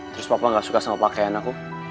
terus papa nggak suka sama pakaian aku